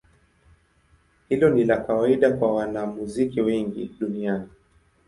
Hilo ni la kawaida kwa wanamuziki wengi duniani.